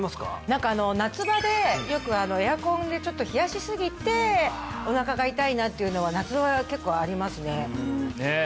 何か夏場でよくエアコンでちょっと冷やしすぎてお腹が痛いなっていうのは夏場は結構ありますねねえ